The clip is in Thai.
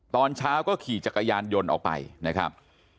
ตอนเช้าก็ขี่จักรยานยนต์ออกไปนะครับ